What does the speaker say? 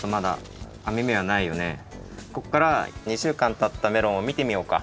こっから２週間たったメロンをみてみようか。